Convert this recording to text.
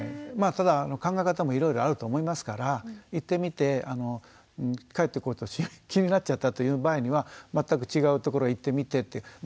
まあただ考え方もいろいろあると思いますから行ってみて帰ってくると気になっちゃったという場合には全く違うところ行ってみてっていう。